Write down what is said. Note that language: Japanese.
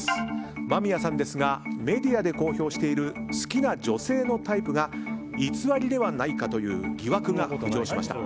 間宮さんですがメディアで公表している好きな女性のタイプが偽りではないかという疑惑が浮上しました。